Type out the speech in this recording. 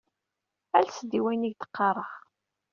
Ales-d i wayen ay ak-d-qqareɣ.